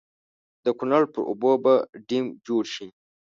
د کنړ پر اوبو به ډېم جوړ شي.